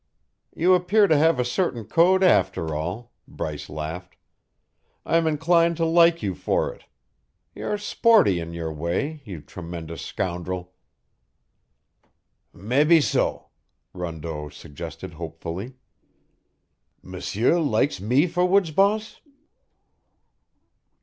"You appear to have a certain code, after all," Bryce laughed. "I am inclined to like you for it. You're sporty in your way, you tremendous scoundrel!" "Mebbeso," Rondeau suggested hopefully, "M'sieur likes me for woods boss?"